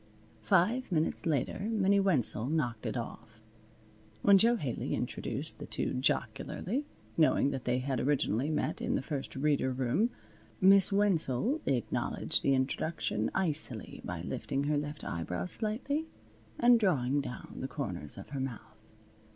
Five minutes later Minnie Wenzel knocked it off. When Jo Haley introduced the two jocularly, knowing that they had originally met in the First Reader room, Miss Wenzel acknowledged the introduction icily by lifting her left eyebrow slightly and drawing down the corners of her mouth.